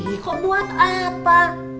ih kok buat apa